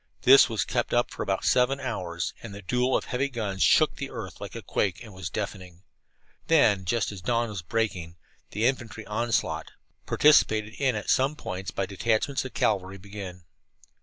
This was kept up for about seven hours, and the duel of heavy guns shook the earth like a quake and was deafening. Then, just as dawn was breaking, the infantry onslaught, participated in at some points by detachments of cavalry, began.